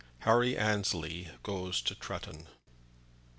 HARRY ANNESLEY GOES TO TRETTON.